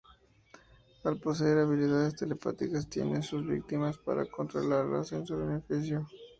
Al poseer habilidades telepáticas se une a sus víctimas para controlarlas en su beneficio.